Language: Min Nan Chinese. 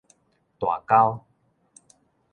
大溝